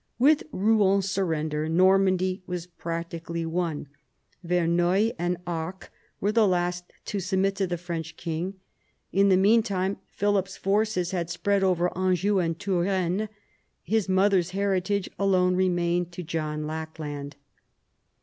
With Rouen's surrender Normandy was practically won. Verneuil and Arques were the last to submit to the French king. In the meantime Philip's forces had spread over Anjou and Touraine. His mother's heritage alone remained to John Lackland.